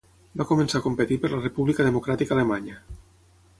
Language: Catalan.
Va començar a competir per la República Democràtica Alemanya.